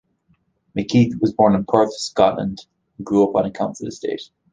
McKeith was born in Perth, Scotland, and grew up on a council estate.